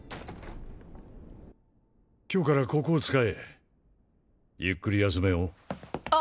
今日からここを使えゆっくり休めよあ